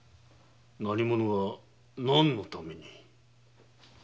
何者が何のために？